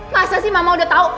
masa sih mama udah tahu